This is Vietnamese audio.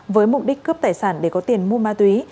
với mục đích cướp tài sản để có tiền mua ma túy